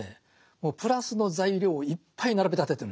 もうプラスの材料をいっぱい並べ立ててるんですよ。